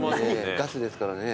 ガスですからね。